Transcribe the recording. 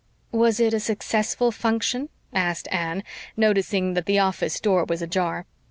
"Was it a successful function?" asked Anne, noticing that the office door was ajar.